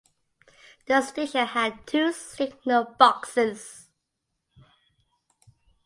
The station had two signal boxes.